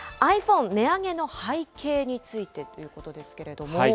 ｉＰｈｏｎｅ値上げの背景についてということですけれども。